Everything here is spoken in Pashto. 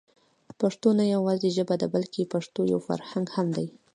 پښتو نه يوازې ژبه ده بلکې پښتو يو فرهنګ هم دی.